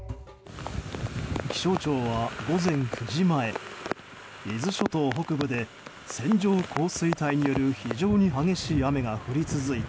気象庁は午前９時前伊豆諸島北部で線状降水帯による非常に激しい雨が降り続いた